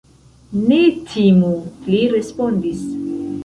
Ne timu, li respondis.